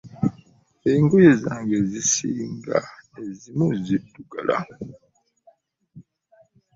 Engoye zange ezisinga ziddugala.